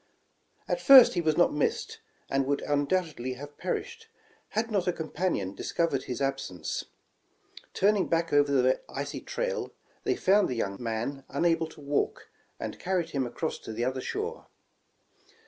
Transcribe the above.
At first he was not missed, and would undoubtedly have perished, had not a companion discovered his ab sence. Turning back over the icy trail, they found the voun^ man unable to walk, and carried him across to the other shore.